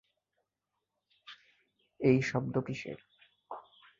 এই শব্দ কীসের?